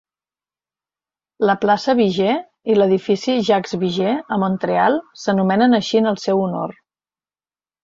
La plaça Viger i l'edifici Jaques Viger, a Montreal s'anomenen així en el seu honor.